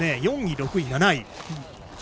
４位、６位、７位。